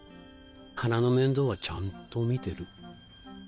花の面倒はちゃんと見てる。